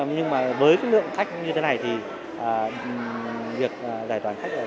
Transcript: nhưng mà với lượng khách như thế này thì việc giải thoại khách